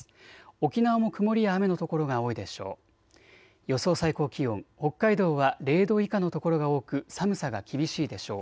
沖縄も曇りや雨の所が多いでしょう。